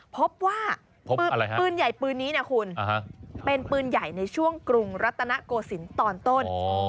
พบว่าปืนใหญ่ปืนนี้นะคุณเป็นปืนใหญ่ในช่วงกรุงรัตนโกศิลป์ตอนต้น